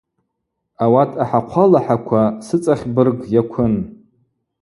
Ауат ахӏахъвалахӏаква сыцӏахьбырг йаквын.